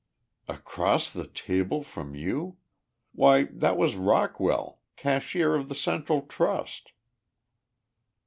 "Across the table from you? Why that was Rockwell, cashier of the Central Trust!"